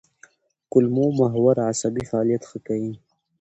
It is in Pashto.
کولمو محور عصبي فعالیت ښه کوي.